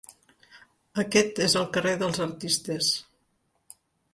Aquest és el carrer dels artistes.